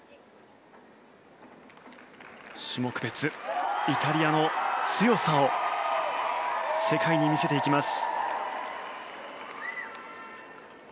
種目別、イタリアの強さを世界に見せていきます。